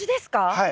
はい。